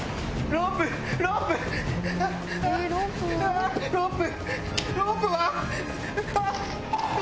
ロープ！